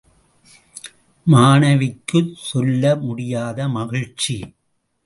மாணவிக்கு சொல்ல முடியாத மகிழ்ச்சி.